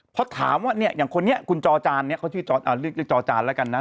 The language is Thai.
เพราะถามว่าเนี่ยอย่างคนนี้คุณจอจานเนี่ยเขาชื่อเรียกจอจานแล้วกันนะ